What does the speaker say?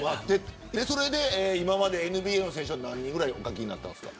それまでＮＢＡの選手はどのぐらいお描きになったんですか。